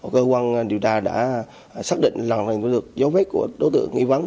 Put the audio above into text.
cơ quan điều tra đã xác định là có được dấu vết của đối tượng nghi vắng